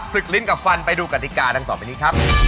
ลิ้นกับฟันไปดูกฎิกาดังต่อไปนี้ครับ